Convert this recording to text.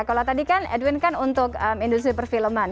kalau tadi kan edwin kan untuk industri perfilman